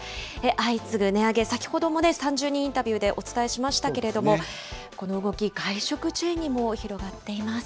相次ぐ値上げ、先ほども３０人インタビューでお伝えしましたけれども、この動き、外食チェーンにも広がっています。